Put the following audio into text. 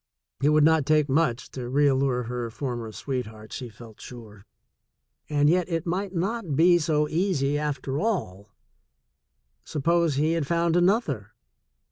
It would not take much to reallure her former sweetheart, she felt sure — and yet it might not be so easy after all. Suppose he had found another?